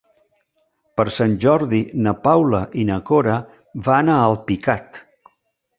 Per Sant Jordi na Paula i na Cora van a Alpicat.